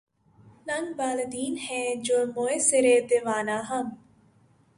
ننگ بالیدن ہیں جوں موئے سرِ دیوانہ ہم